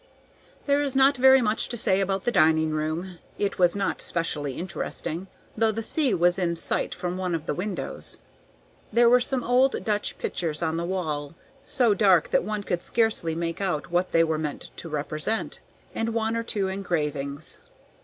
There is not very much to say about the dining room. It was not specially interesting, though the sea was in sight from one of the windows. There were some old Dutch pictures on the wall, so dark that one could scarcely make out what they were meant to represent, and one or two engravings.